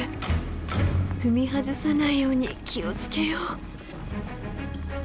踏み外さないように気を付けよう。